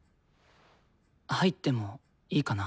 入ってもいいかな？